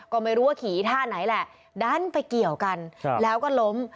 ก็ไม่รู้ว่าขี่ท่าไหนแหละดันไปเกี่ยวกันแล้วก็ล้ม